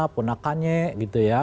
ponakannya gitu ya